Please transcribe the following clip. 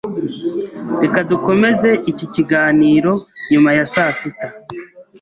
Reka dukomeze iki kiganiro nyuma ya sasita.